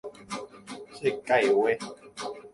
Chekaigue.